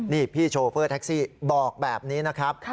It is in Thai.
นี่พี่โชเฟอร์แท็กซี่บอกแบบนี้นะครับ